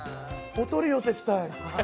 お取り寄せしたい。